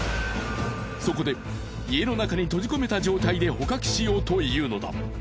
そこで家の中に閉じ込めた状態で捕獲しようというのだ。